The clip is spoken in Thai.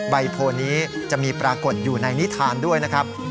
โพลนี้จะมีปรากฏอยู่ในนิทานด้วยนะครับ